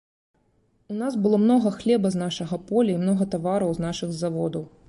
У нас было многа хлеба з нашага поля і многа тавараў з нашых заводаў.